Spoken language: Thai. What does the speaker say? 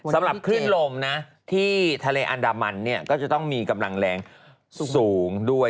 สำหรับขึ้นลมที่ทะเลอันดามันก็จะต้องมีกำลังแรงสูงด้วย